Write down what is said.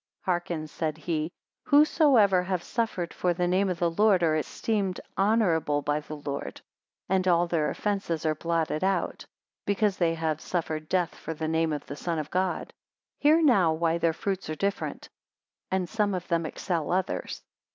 235 Hearken, said he: Whosoever have suffered for the name of the Lord are esteemed honourable by the Lord; and all their offences are blotted out, because they have suffered death for the name of the Son of God. 236 Hear now, why their fruits are different, and some of them excel others.